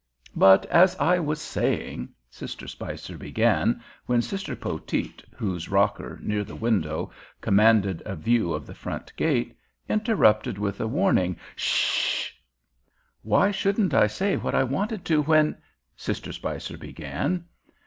"But as I was saying—" Sister Spicer began, when Sister Poteet, whose rocker, near the window, commanded a view of the front gate, interrupted with a warning, "'Sh 'sh." "Why shouldn't I say what I wanted to when—" Sister Spicer began.